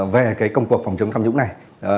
về cái công cuộc phòng chống tham nhũng này